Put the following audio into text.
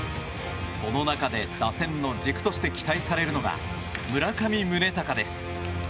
その中で打線の軸として期待されるのが村上宗隆です。